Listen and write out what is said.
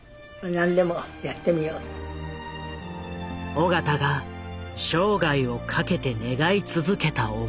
緒方が生涯を懸けて願い続けた思い。